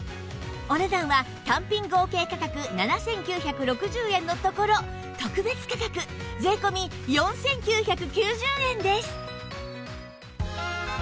お値段は単品合計価格７９６０円のところ特別価格税込４９９０円です